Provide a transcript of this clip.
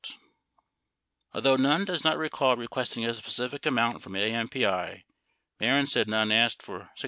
88 Although Nunn does not recall requesting a specific amount from AMPI, Mehren said Nunn asked for $650,000.